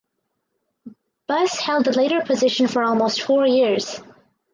Busse held the later position for almost four years.